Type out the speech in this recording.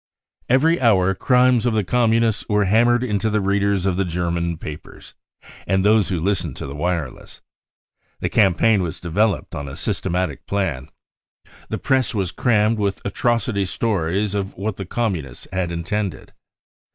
" Every hour crimes of the Communists were ham mered into the readers of the German papers and those who listened to the wireless. The campaign was developed on a systematic plan. The Press was crammed with atrocity stories of what the Communists had intended.